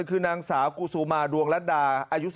คือนางสาวกูซูมาดวงรัดดา